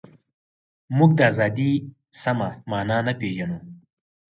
موږ د ازادۍ سمه مانا نه پېژنو.